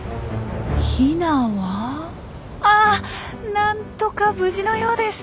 ヒナはあなんとか無事のようです！